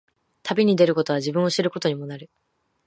旅に出ることは、自分を知ることにもなる。